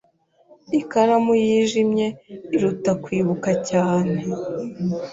Ikaramu yijimye iruta kwibuka cyane.